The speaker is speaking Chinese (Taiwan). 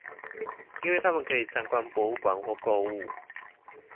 因為他們可以參觀博物館或購物